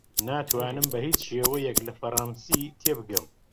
ناتوانم بە هیچ شێوەیەک لە فەڕەنسی تێبگەم.